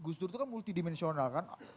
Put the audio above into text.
gus dur itu kan multidimensional kan